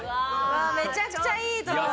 わあめちゃくちゃいいところ。